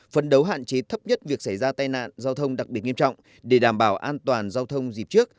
phấn đấu hạn chế thấp nhất việc xảy ra tai nạn giao thông đặc biệt nghiêm trọng để đảm bảo an toàn giao thông dịp trước